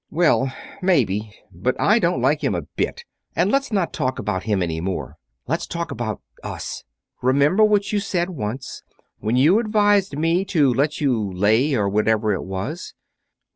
"Well, maybe, but I don't like him a bit, and let's not talk about him any more. Let's talk about us. Remember what you said once, when you advised me to 'let you lay,' or whatever it was?"